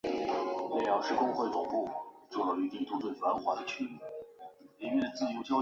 一德楼遗址的历史年代为明。